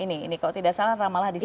ini kalau tidak salah ramallah di sini